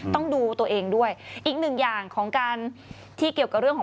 ต้องดูตัวเองด้วยอีกหนึ่งอย่างของการที่เกี่ยวกับเรื่องของ